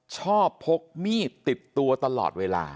พกมีดติดตัวตลอดเวลา